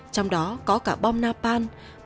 trong đó có cả bom napalm